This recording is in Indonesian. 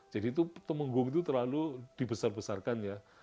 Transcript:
jadi itu temenggung itu terlalu dibesar besarkan ya